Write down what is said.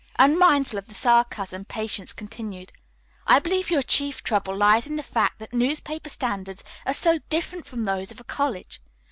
Unmindful of the sarcasm, Patience continued: "I believe your chief trouble lies in the fact that newspaper standards are so different from those of a college.